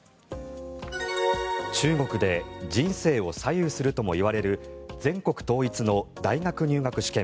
中国で人生を左右するともいわれる全国統一の大学入学試験